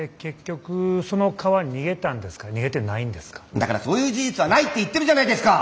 だからそういう事実はないって言ってるじゃないですか。